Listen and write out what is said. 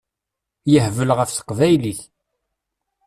Yehbel ɣef teqbaylit.